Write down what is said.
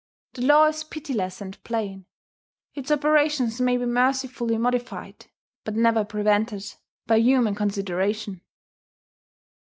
The law is pitiless and plain: its operations may be mercifully modified, but never prevented, by humane consideration.